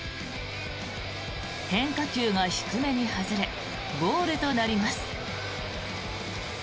変化球が低めに外れボールとなります。